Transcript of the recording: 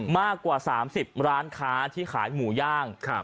มากกว่า๓๐ร้านค้าที่ขายหมูย่าง